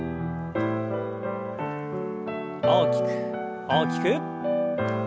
大きく大きく。